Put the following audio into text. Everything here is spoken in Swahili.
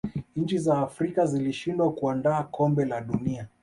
nchi za Afrika zilishindwa kuandaa kombe la dunia